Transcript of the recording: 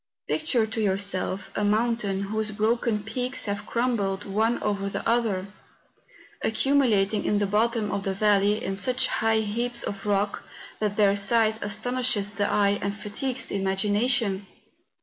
Picture to yourself a moun¬ tain whose broken peaks have crumbled one over the other, accumulating in the bottom of the valley in such high lumps of rock, that their size asto¬ nishes the eye and fatigues the imagination.